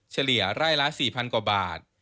เฉลี่ยไร่ละ๔๐๐กว่าบาท